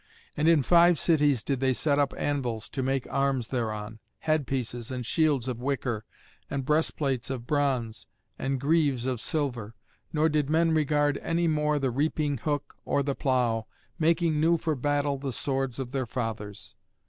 And in five cities did they set up anvils to make arms thereon, head pieces, and shields of wicker, and breast plates of bronze, and greaves of silver. Nor did men regard any more the reaping hook nor the plough, making new for battle the swords of their fathers.